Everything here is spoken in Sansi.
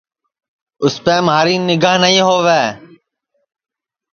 اُسپے مہاری نیگھا نائی ہووے